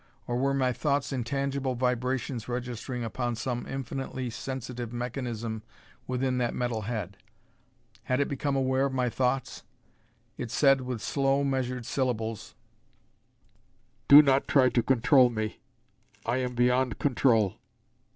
Or were my thoughts intangible vibrations registering upon some infinitely sensitive mechanism within that metal head? Had it become aware of my thoughts? It said with slow measured syllables, "Do not try to control me. I am beyond control."